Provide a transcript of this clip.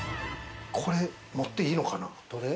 これ持っていいのかな？